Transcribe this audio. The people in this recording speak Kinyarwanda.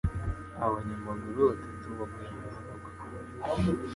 Abanyamaguru batatu baguye mu mpanuka